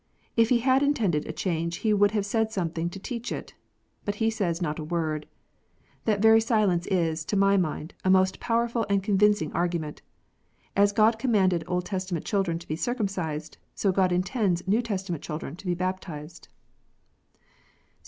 If He had intended a change He would have said something to teach it. But He says not a word ! That very silence is, to my mind, a most powerful and convincing argument. As God commanded Old Testament children to be circumcised, so God intends New Testament children to be baptized.